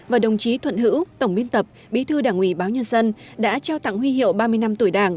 và đồng chí thuận hữu tổng biên tập bí thư đảng ủy báo nhân dân đã trao tặng huy hiệu ba mươi năm tuổi đảng